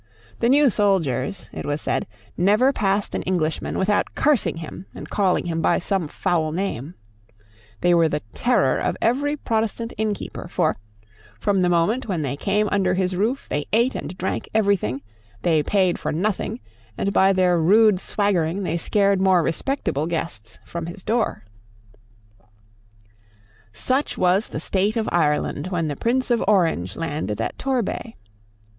The new soldiers, it was said, never passed an Englishman without cursing him and calling him by some foul name. They were the terror of every Protestant innkeeper; for, from the moment when they came under his roof, they ate and drank every thing: they paid for nothing; and by their rude swaggering they scared more respectable guests from his door, Such was the state of Ireland when the Prince of Orange landed at Torbay.